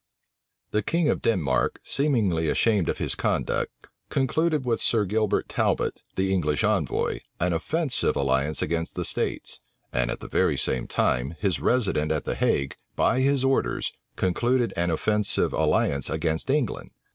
The king of Denmark, seemingly ashamed of his conduct, concluded with Sir Gilbert Talbot, the English envoy, an offensive alliance against the states; and at the very same time, his resident at the Hague, by his orders, concluded an offensive alliance against England.